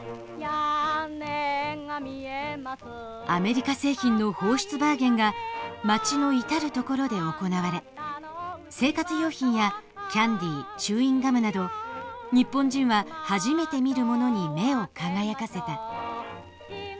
アメリカ製品の放出バーゲンが町の至る所で行われ生活用品やキャンデーチューインガムなど日本人は初めて見るものに目を輝かせた。